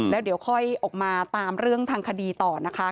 แล้วเดี๋ยวค่อยออกมาตามเรื่องทางคดีต่อนะคะ